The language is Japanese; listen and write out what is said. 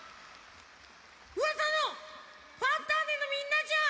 うわさの「ファンターネ！」のみんなじゃん！